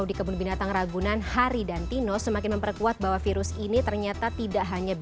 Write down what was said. oke dokter syafri kondisinya sehat ya dok ya